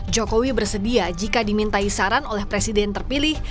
jokowi bersedia jika dimintai saran oleh presiden terpilih